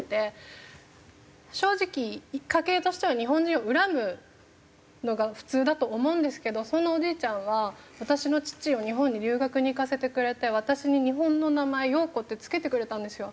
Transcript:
正直家系としては日本人を恨むのが普通だと思うんですけどそんなおじいちゃんは私の父を日本に留学に行かせてくれて私に日本の名前「陽子」って付けてくれたんですよ。